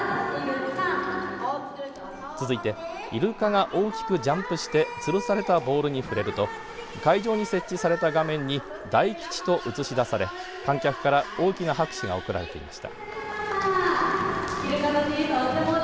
続いてイルカが大きくジャンプしてつるされたボールに触れると会場に設置された画面に大吉と映し出され観客から大きな拍手が送られていました。